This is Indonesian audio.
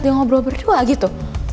dia ngobrol berdua gitu